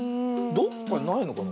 どっかにないのかな？